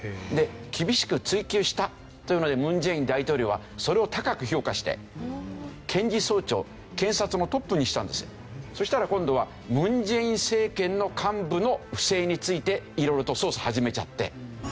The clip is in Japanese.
厳しく追及したというのでムン・ジェイン大統領はそれを高く評価して検事総長そしたら今度はムン・ジェイン政権の幹部の不正について色々と捜査始めちゃって。